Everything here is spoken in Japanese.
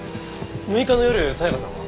６日の夜沙也加さんは？